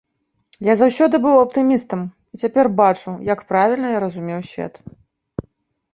Я заўсёды быў аптымістам і цяпер бачу, як правільна я разумеў свет.